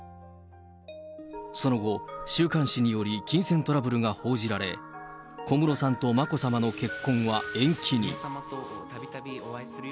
その後、週刊誌により金銭トラブルが報じられ、小室さんと眞子さまの結婚は延期に。